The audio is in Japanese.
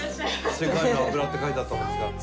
「世界の油」って書いてあったもんですから。